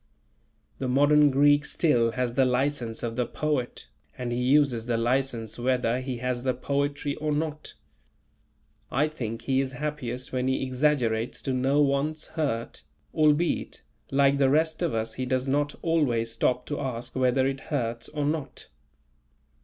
The modern Greek still has the license of the poet, and he uses the license whether he has the poetry or not. I think he is happiest when he exaggerates to no one's hurt; albeit, like the rest of us he does not always stop to ask whether it hurts or not.